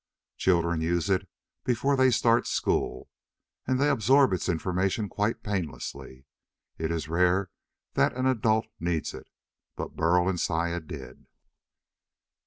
Children use it before they start school, and they absorb its information quite painlessly. It is rare that an adult needs it. But Burl and Saya did.